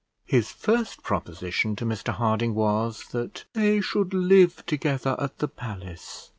His first proposition to Mr Harding was, that they should live together at the palace.